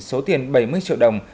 số tiền bảy mươi triệu đồng